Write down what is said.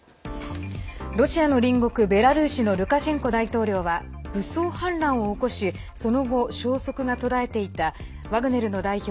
ロシアの隣国ベラルーシのルカシェンコ大統領は武装反乱を起こしその後、消息が途絶えていたワグネルの代表